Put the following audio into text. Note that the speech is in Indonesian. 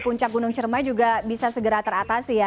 puncak gunung cermai juga bisa segera teratasi ya